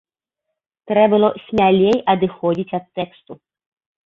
Трэ' было смялей адыходзіць ад тэксту.